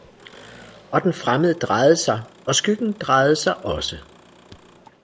og den fremmede drejede sig og skyggen drejede sig også.